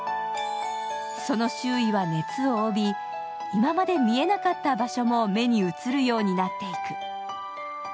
その周囲は熱を帯び、今まで見えなかった場所も目に映るようになっていく。